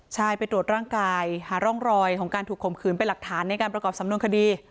ใช่ไปตรวจร่างกายหาร่องรอยของการถูกข่มขืนเป็นหลักฐานในการประกอบสำนวนคดี